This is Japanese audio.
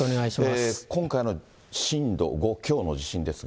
今回の震度５強の地震ですが。